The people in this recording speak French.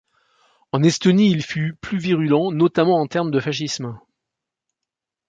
En Estonie, il fut plus virulent, notamment en termes de fascisme.